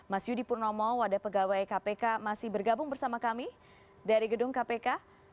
mas yudi purnomo wadah pegawai kpk masih bergabung bersama kami dari gedung kpk